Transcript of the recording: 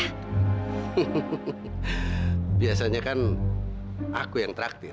hehehe biasanya kan aku yang traktir